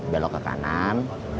belok ke kanan